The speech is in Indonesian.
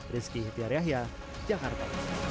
rizky hityariahya jakarta